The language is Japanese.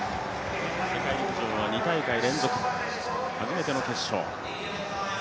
世界陸上は２大会連続、初めての決勝。